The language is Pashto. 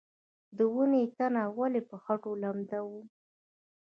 د ونې تنه ولې په خټو لمدوم؟